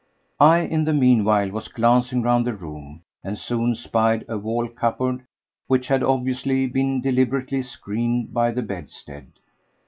I, in the meanwhile, was glancing round the room and soon spied a wall cupboard which had obviously been deliberately screened by the bedstead.